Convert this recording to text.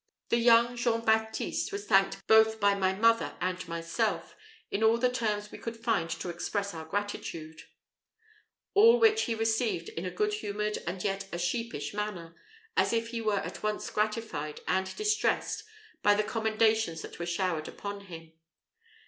The young Jean Baptiste was thanked both by my mother and myself, in all the terms we could find to express our gratitude, all which he received in a good humoured and yet a sheepish manner, as if he were at once gratified and distressed by the commendations that were showered upon him.